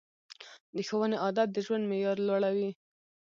د ښوونې عادت د ژوند معیار لوړوي.